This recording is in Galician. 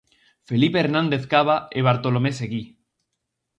Felipe Hernández Cava e Bartolomé Seguí.